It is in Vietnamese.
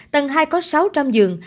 tầng hai có sáu trăm linh dường